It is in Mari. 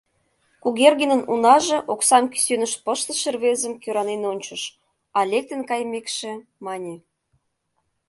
Кугергинын унаже оксам кӱсеныш пыштыше рзезым кӧранен ончыш, а лектын кайымекше, мане: